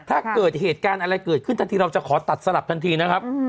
ถ้าเกิดเหตุการณ์อะไรเกิดขึ้นทันทีเราจะขอตัดสลับทันทีนะครับ